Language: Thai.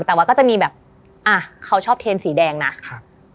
แต่ว่าก็จะมีแบบอ่ะเขาชอบเทนสีแดงนะครับ